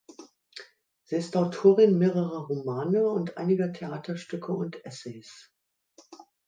Sie ist Autorin mehrerer Romane und einiger Theaterstücke und Essays.